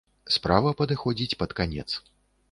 Справа падыходзіць пад канец.